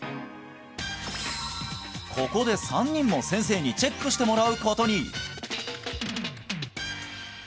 ここで３人も先生にチェックしてもらうことに！